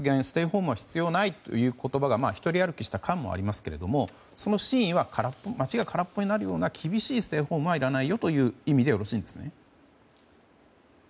ステイホームは必要ないという言葉が独り歩きした感もありますけどその真意は街が空っぽになるような厳しいステイホームはいらないよという意味でよろしいですか？